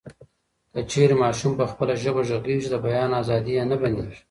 که چیري ماشوم په خپله ژبه غږېږي، د بیان ازادي یې نه بندېږي.